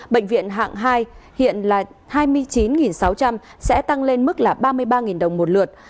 bệnh viện hạng hai hiện là hai mươi chín sáu trăm linh sẽ tăng lên mức là ba mươi ba đồng một lượt